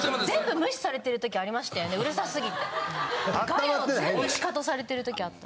ガヤを全部シカトされてる時あった。